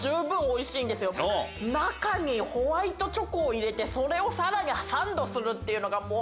中にホワイトチョコを入れてそれをさらにサンドするっていうのがもう。